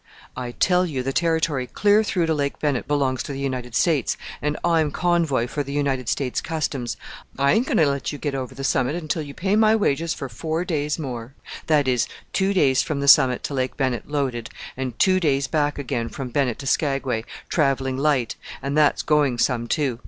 "I tell you the territory clear through to Lake Bennett belongs to the United States, and I'm convoy for the United States Customs. I ain't going to let you get over the summit until you pay my wages for four days more, that is, two days from the summit to Lake Bennett loaded, and two days back again from Bennett to Skagway, travelling light, and that's going some too.